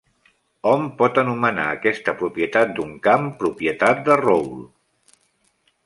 Hom pot anomenar aquesta propietat d'un camp "propietat de Rolle".